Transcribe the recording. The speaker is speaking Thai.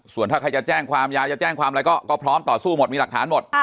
ส่วนถ้าใครจะแจ้งความยายจะแจ้งความอะไรก็พร้อมต่อสู้หมดมีหลักฐานหมด